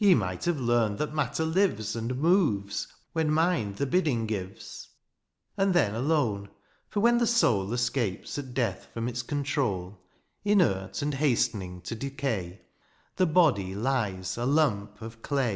Te might have learned that matter lives " And moves, when mind the bidding gives, "And then alone ; for when the soul ^^ Escapes at death from its control, " Inert and hastening to decay " The body lies a lump of clay.